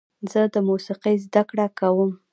زه د موسیقۍ زده کړه کوم.